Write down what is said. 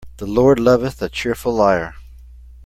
The Lord loveth a cheerful liar.